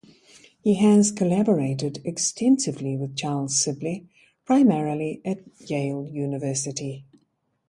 He has collaborated extensively with Charles Sibley, primarily at Yale University.